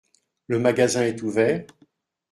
Le magasin est ouvert ?